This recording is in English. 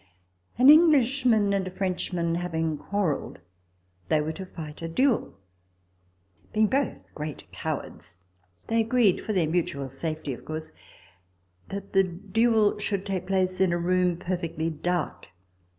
An Englishman and a Frenchman having quar relled, they were to fight a duel. Being both great cowards, they agreed (for their mutual safety, of course) that the duel should take place in a room perfectly dark.